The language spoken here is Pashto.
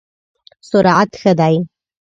سرعت ښه دی؟